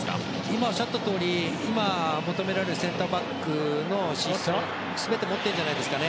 今、おっしゃったとおり今、求められるセンターバックの資質を全て持っているんじゃないですか。